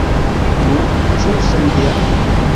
Nu, ĉu samideanoj?